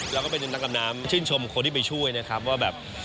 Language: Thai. ก็เป็นนักดำน้ำชื่นชมคนที่ไปช่วยนะครับว่าแบบ